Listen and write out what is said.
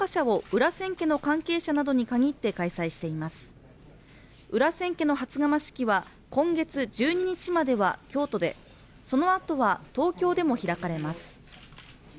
裏千家の初釜式は今月１２日までは京都で、そのあとは東京でも開かれます。